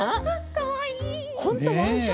かわいい。